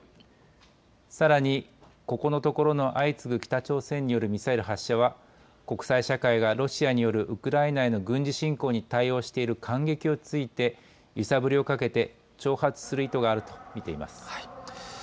さらに、ここのところの相次ぐ北朝鮮によるミサイル発射は国際社会がロシアによるウクライナへの軍事侵攻に対応している間隙を突いて揺さぶりをかけて挑発する意図があると見ています。